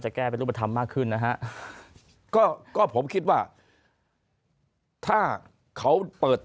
แก้เป็นรูปธรรมมากขึ้นนะฮะก็ก็ผมคิดว่าถ้าเขาเปิด